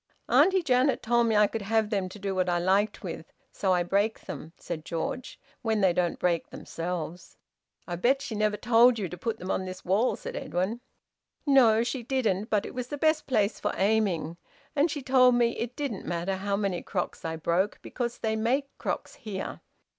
"Auntie Janet told me I could have them to do what I liked with. So I break them," said George, "when they don't break themselves!" "I bet she never told you to put them on this wall," said Edwin. "No, she didn't. But it was the best place for aiming. And she told me it didn't matter how many crocks I broke, because they make crocks here.